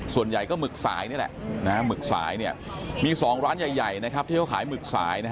ส่วนใหญ่ก็หมึกสายนี่แหละหมึกสายมี๒ร้านใหญ่ที่เขาขายหมึกสาย